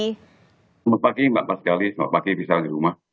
selamat pagi mbak paskal isiswari selamat pagi bisa di rumah